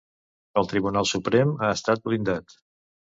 El Tribunal Suprem ha estat blindat.